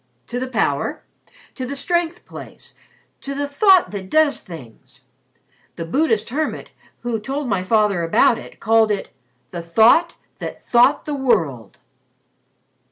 "To the Power to the Strength place to the Thought that does things. The Buddhist hermit, who told my father about it, called it 'The Thought that thought the World.'"